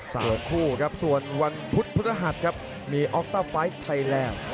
ส่วนคู่ครับส่วนวันพุธพฤหัสครับมีออกต้าไฟล์ไทยแลนด์